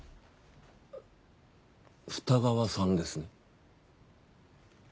二川さんですね？